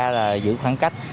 là giữ khoảng cách